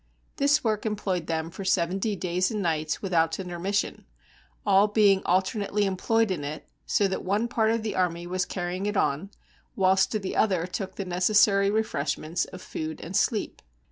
This work employed them for seventy days and nights without intermission, all being alternately employed in it, so that one part of the army was carrying it on, whilst the other took the necessary refreshments of food and sleep.